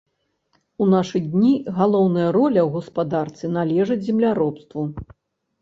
У нашы дні галоўная роля ў гаспадарцы належыць земляробству.